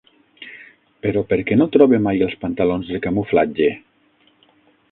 Però per què no trobe mai els pantalons de camuflatge?